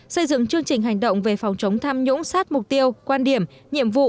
xây dựng chương trình hành động về phòng chống tham nhũng sát mục tiêu quan điểm nhiệm vụ